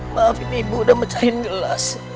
maafin ibu udah mecahin gelas